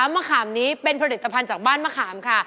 มะขามนี้เป็นผลิตภัณฑ์จากบ้านมะขามค่ะ